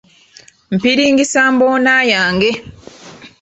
Mpiringisa mboona yange.